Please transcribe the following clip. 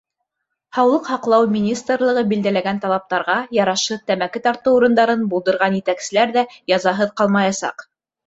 Һаулыҡ һаҡлау министрлығы билдәләгән талаптарға ярашһыҙ тәмәке тартыу урындарын булдырған етәкселәр ҙә язаһыҙ ҡалмаясаҡ.